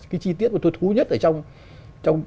cái chi tiết mà tôi thú nhất ở trong